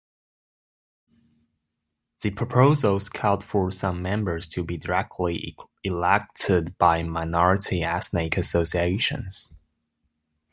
The proposals called for some members to be directly elected by minority ethnic associations.